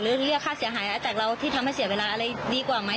เรียกค่าเสียหายจากเราที่ทำให้เสียเวลาอะไรดีกว่าไหม